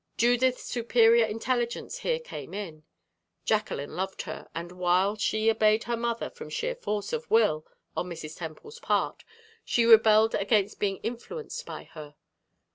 Judith's superior intelligence here came in. Jacqueline loved her, and, while she obeyed her mother from sheer force of will on Mrs. Temple's part, she rebelled against being influenced by her.